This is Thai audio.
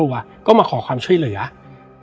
และวันนี้แขกรับเชิญที่จะมาเชิญที่เรา